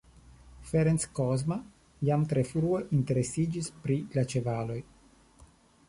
Ferenc Kozma jam tre frue interesiĝis pri la ĉevaloj.